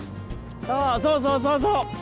そうそうそうそうそう！